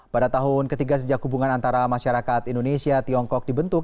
pada tahun ketiga sejak hubungan antara masyarakat indonesia tiongkok dibentuk